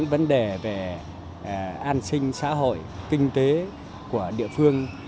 vấn đề về an sinh xã hội kinh tế của địa phương